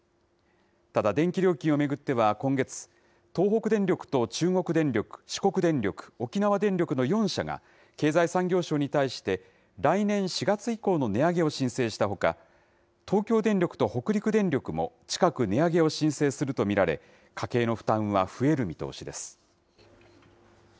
ただ電気料金を巡っては、今月、東北電力と中国電力、四国電力、沖縄電力の４社が、経済産業省に対して、来年４月以降の値上げを申請したほか、東京電力と北陸電力も、近く値上げを申請すると見られ、家計の負担は増える見通しです。